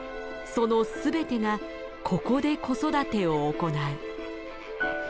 その全てがここで子育てを行う。